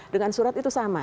dengan surat itu sama